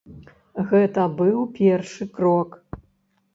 Гэта быў першы крок.